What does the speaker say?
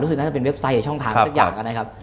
รู้สึกน่าจะเป็นเว็บไซต์ช่องทางสักอย่างนะครับ